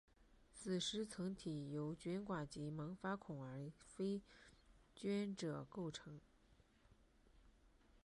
子实层体由菌管及萌发孔而非菌褶构成。